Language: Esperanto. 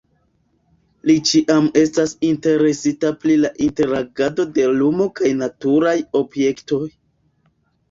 Li ĉiam estas interesita pri la interagado de lumo kaj naturaj objektoj.